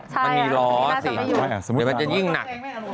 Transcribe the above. มันมีล้อสิเดี๋ยวมันยิ่งหนัก